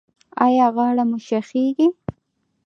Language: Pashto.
ایا غاړه مو شخیږي؟